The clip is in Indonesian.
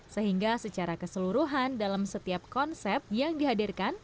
sehingga secara keseluruhan dalam setiap konsep yang dihadirkan